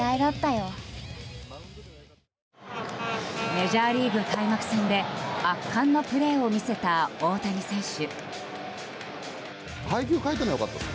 メジャーリーグ開幕戦で圧巻のプレーを見せた大谷選手。